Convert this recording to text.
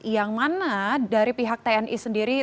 yang mana dari pihak tni sendiri